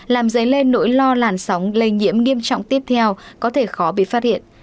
làm dấy lên nỗi lo làn sóng lây nhiễm nghiêm trọng tiếp theo có thể khó bị phát hiện